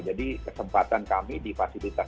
jadi kesempatan kami di fasilitas